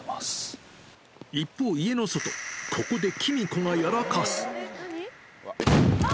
一方、家の外、ここできみ子がやらかす。